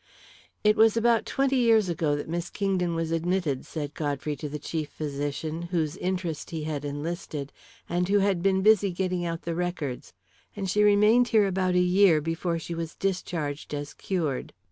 "It was about twenty years ago that Miss Kingdon was admitted," said Godfrey to the chief physician, whose interest he had enlisted, and who had been busy getting out the records, "and she remained here about a year before she was discharged as cured."